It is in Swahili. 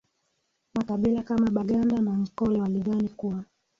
makabila kama baganda na nkole walidhani kuwa